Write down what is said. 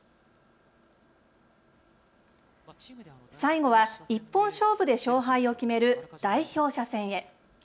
最後は一本勝負で勝敗を決める代表者戦へ。